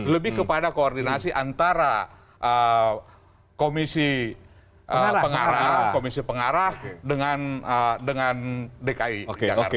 lebih kepada koordinasi antara komisi pengarah dengan dki jakarta